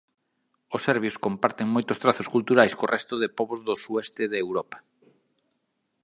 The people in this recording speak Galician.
Os serbios comparten moitos trazos culturais co resto de pobos do sueste de Europa.